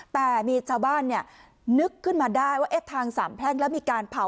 แต่มีชาวบ้านนึกขึ้นมาได้ว่าทางสามแพร่งแล้วมีการเผา